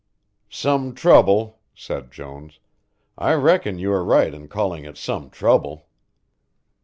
"Some trouble," said Jones; "I reckon you are right in calling it some trouble."